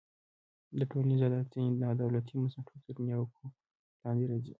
د ټولنیز عدالت ځینې نا دولتي بنسټونه تر نیوکو لاندې راځي.